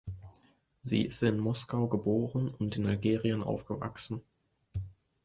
Sie ist in Moskau geboren und in Algerien aufgewachsen.